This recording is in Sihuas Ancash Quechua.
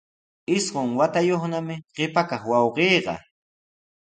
Isqun watayuqnami qipa kaq wawqiiqa.